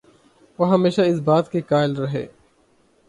وہ ہمیشہ اس بات کے قائل رہے